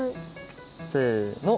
せの。